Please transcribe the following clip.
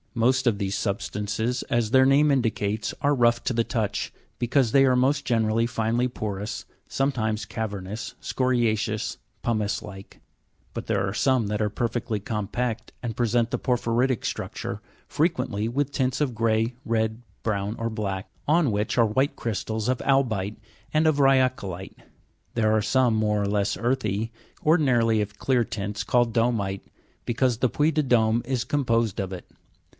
Most of these substances, as their name indicates, are rough to the touch, because they are most generally finely porous, sometimes cavernous, scoria'ceous, pumice like ; but there are some that are perfectly compact, and present the porphyri'tic structure, frequently with tints of grey, red, brown, or black, on which are white crystals of albi'te and of rya'colite. There are some, more or less earthy, ordinarily of clear tints, called domi'te, because the Puy de Dome is composed of it.